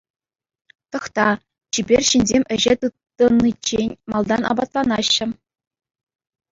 Тӑхта, чипер ҫынсем ӗҫе тытӑниччен малтан апатланаҫҫӗ.